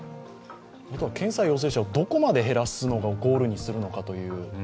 あとは検査陽性者、どこまで減らすのをゴールとするかという。